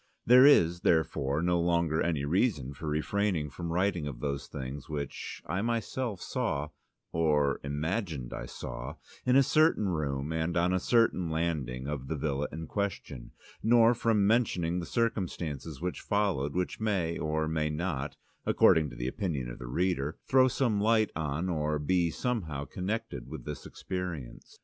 There is therefore no longer any reason for refraining from writing of those things which I myself saw (or imagined I saw) in a certain room and on a certain landing of the villa in question, nor from mentioning the circumstances which followed, which may or may not (according to the opinion of the reader) throw some light on or be somehow connected with this experience.